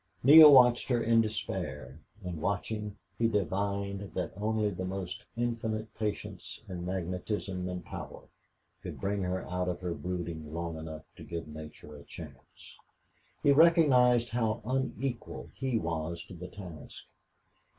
Neale watched her in despair, and, watching, he divined that only the most infinite patience and magnetism and power could bring her out of her brooding long enough to give nature a chance. He recognized how unequal he was to the task.